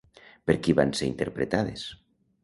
Per qui van ser interpretades?